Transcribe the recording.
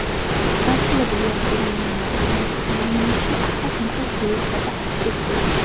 გავრცელებულია კუინზლენდში, ახალ სამხრეთ უელსსა და ვიქტორიაში.